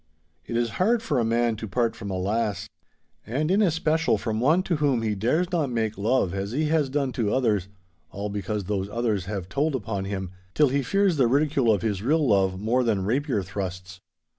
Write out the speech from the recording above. It is hard for a man to part from a lass—and in especial from one to whom he dares not make love as he has done to others, all because those others have told upon him, till he fears the ridicule of his real love more than rapier thrusts.